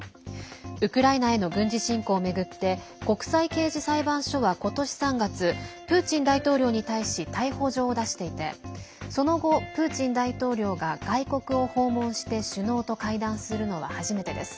ウクライナへの軍事侵攻を巡って国際刑事裁判所は今年３月プーチン大統領に対し逮捕状を出していてその後、プーチン大統領が外国を訪問して首脳と会談するのは初めてです。